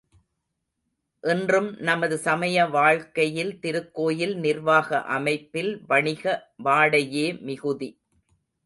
இன்றும் நமது சமய வாழ்க்கையில் திருக்கோயில் நிர்வாக அமைப்பில் வணிக வாடையே மிகுதி.